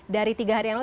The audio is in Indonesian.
dari tiga hari yang lalu